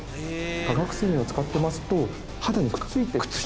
化学繊維を使ってますと肌にくっついて。